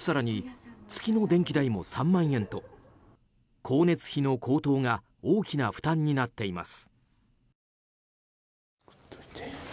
更に、月の電気代も３万円と光熱費の高騰が大きな負担になっています。